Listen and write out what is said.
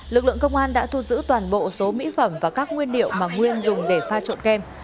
lực lượng công an đã thu giữ toàn bộ số mỹ phẩm và các nguyên liệu mà nguyên dùng để pha trộn kem